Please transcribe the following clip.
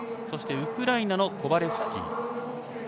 そしてウクライナのコバレフスキー。